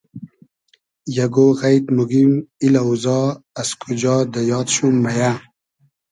یئگۉ غݷد موگیم ای لۆزا از کوجا دۂ یاد شوم مېیۂ